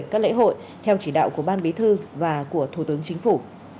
nghệ hội theo chỉ đạo của ban bí thư và của thủ tướng chính phủ